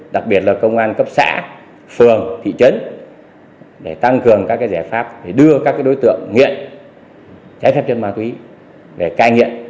đặc biệt là công an cấp xã phường thị trấn để tăng cường các giải pháp để đưa các đối tượng nghiện trái phép trên ma túy để cai nghiện